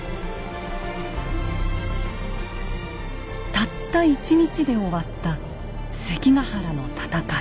たった１日で終わった関ヶ原の戦い。